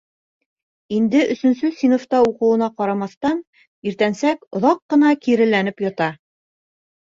Инде өсөнсө синыфта уҡыуына ҡарамаҫтан, иртәнсәк оҙаҡ ҡына киреләнеп ята.